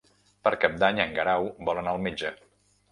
Per Cap d'Any en Guerau vol anar al metge.